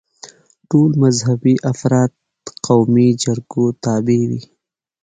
ټول مذهبي افراد قومي جرګو تابع وي.